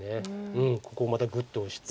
うんここもまたグッとオシて。